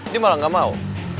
dia malah gak mau